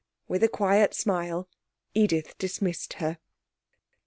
With a quiet smile, Edith dismissed her.